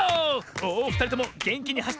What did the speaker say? おふたりともげんきにはしってったぞ！